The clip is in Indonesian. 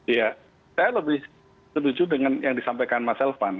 iya saya lebih setuju dengan yang disampaikan mas elvan